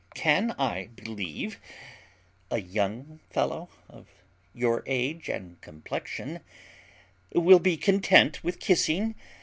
Can I believe a young fellow of your age and complexion will be content with kissing?